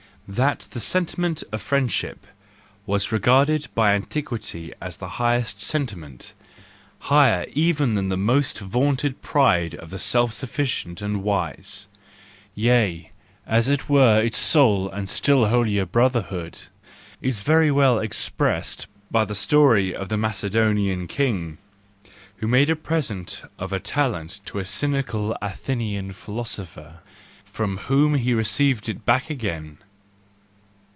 —That the sentiment of friendship was regarded by antiquity as the highest sentiment, higher even than the most vaunted pride of the self sufficient and wise, yea as it were its sole and still holier brotherhood, is very well expressed by the story of the Macedonian king who made the present of a talent to a cynical Athenian philosopher from whom he received it back again.